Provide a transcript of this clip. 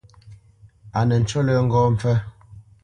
A nə ncú lə́ ŋgó mpfə́.